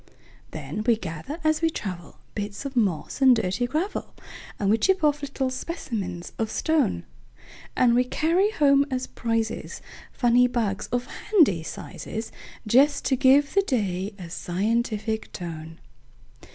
Then we gather as we travel, Bits of moss and dirty gravel, And we chip off little specimens of stone; And we carry home as prizesFunny bugs, of handy sizes, Just to give the day a scientific tone.